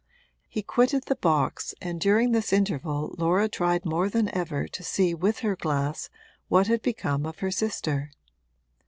He quitted the box and during this interval Laura tried more than ever to see with her glass what had become of her sister.